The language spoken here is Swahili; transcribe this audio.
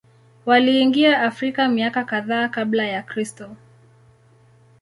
Waliingia Afrika miaka kadhaa Kabla ya Kristo.